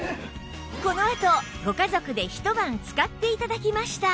このあとご家族で一晩使って頂きました